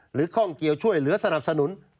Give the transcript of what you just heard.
ข้องเกี่ยวช่วยเหลือสนับสนุน